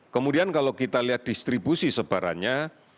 kemudian kalau kita lihat distribusi sebarannya